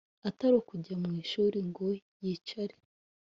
atari ukujya mu ishuri ngo yicare